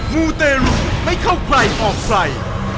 มูเตรุไม่เข้าใครออกใคร